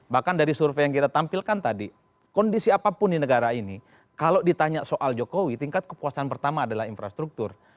bahkan dari survei yang kita tampilkan tadi kondisi apapun di negara ini kalau ditanya soal jokowi tingkat kepuasan pertama adalah infrastruktur